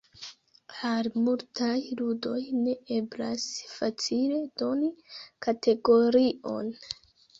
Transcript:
Al multaj ludoj ne eblas facile doni kategorion.